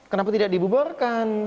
kenapa tidak dibubarkan